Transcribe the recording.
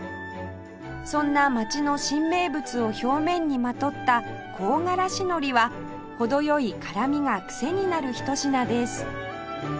そんな街の新名物を表面にまとった香辛子海苔は程良い辛みが癖になるひと品です